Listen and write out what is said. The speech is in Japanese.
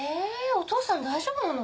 お父さん大丈夫なの？